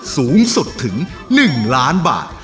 สูงสุดถึง๑ล้านบาท